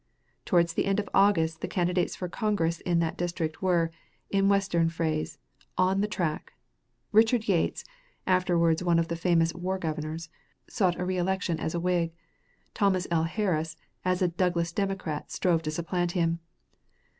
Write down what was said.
Towards the end of August the candidates for Congress in that district were, in Western phrase, "on the track." Richard Yates, afterwards one of the famous "war governors," sought a reelection as a Whig. Thomas L. Harris as a Douglas Democrat strove to supplant him.